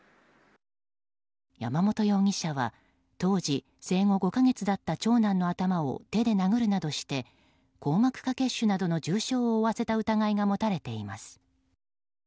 山本容疑者は当時生後５か月だった長男の頭を手で殴るなどして硬膜下血腫などの重傷を負わせた疑いが持たれています。